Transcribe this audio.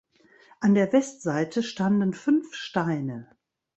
An der Westseite standen fünf Steine.